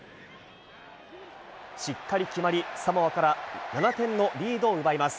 しっかり決まり、サモアから７点のリードを奪います。